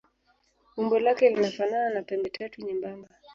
Umbo lake linafanana na pembetatu nyembamba.